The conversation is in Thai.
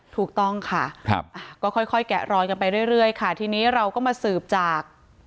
ถูกต้องค่ะก็ค่อยแกะรอยกันไปเรื่อยค่ะทีนี้เราก็มาสืบจาก